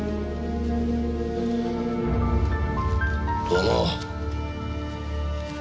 どうも。